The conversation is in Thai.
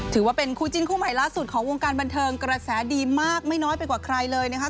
ถือว่าเป็นคู่จิ้นคู่ใหม่ล่าสุดของวงการบันเทิงกระแสดีมากไม่น้อยไปกว่าใครเลยนะคะ